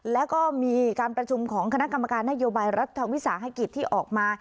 แล้วก็มีการประชุมของคณะกรรมการนโยบายรัฐวิสาหกิจที่ออกมา